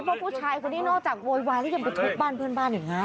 เพราะผู้ชายคนนี้นอกจากโวยวายแล้วยังไปทุบบ้านเพื่อนบ้านอีกนะ